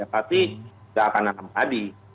pasti tidak akan menanam padi